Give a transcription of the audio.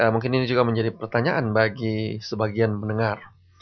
mungkin ini juga menjadi pertanyaan bagi sebagian pendengar